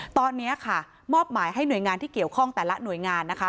ตอนนี้ค่ะมอบหมายให้หน่วยงานที่เกี่ยวข้องแต่ละหน่วยงานนะคะ